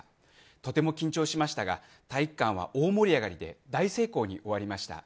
とても緊張しましたが体育館は大盛り上がりで大成功に終わりました。